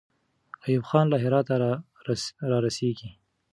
ایوب خان له هراته را رسېږي.